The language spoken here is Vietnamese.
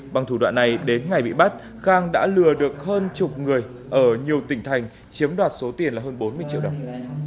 bằng thủ đoạn này đến ngày bị bắt khang đã lừa được hơn chục người ở nhiều tỉnh thành chiếm đoạt số tiền là hơn bốn mươi triệu đồng